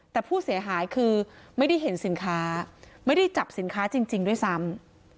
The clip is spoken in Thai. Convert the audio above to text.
แต่ผู้เสียหายคือไม่ได้เห็นสินค้าไม่ได้จับสินค้าจริงด้วยซ้ำ